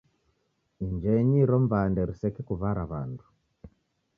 Injenyi iro mbande risekekuw'ara w'andu.